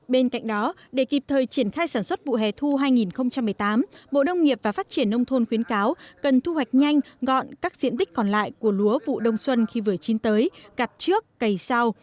bên cạnh đó để kịp thời triển khai sản xuất vụ hè thu hai nghìn một mươi tám bộ nông nghiệp và phát triển nông thôn khuyến cáo cần thu hoạch nhanh gọn các diện tích còn lại của lúa vụ đông xuân khi vừa chín tới gặt trước cây sau